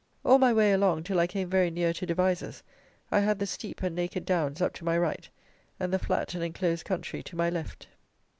All my way along, till I came very near to Devizes, I had the steep and naked downs up to my right, and the flat and enclosed country to my left.